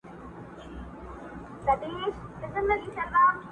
قنلدر ته په زاريو غلبلو سو٫